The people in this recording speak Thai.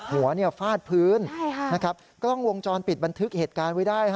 หัวฟาดพื้นกล้องวงจรปิดบันทึกเหตุการณ์ไว้ได้